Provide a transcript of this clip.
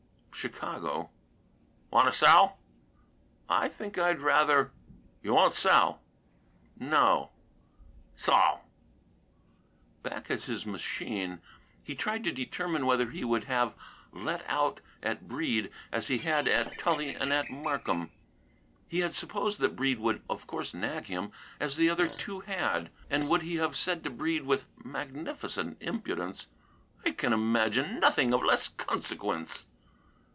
"Chicago." "Want to sell?" "I think I'd rather " "You won't sell?" "No!" "'S all!" Back at his machine he tried to determine whether he would have "let out" at Breede as he had at Tully and at Markham. He had supposed that Breede would of course nag him as the other two had. And would he have said to Breede with magnificent impudence, "I can imagine nothing of less consequence?"